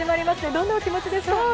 どんなお気持ちですか？